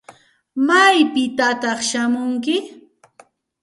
¿Maypitataq shamunki?